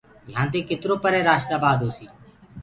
يهآندي ڪترو پري رآشدآبآد هوسي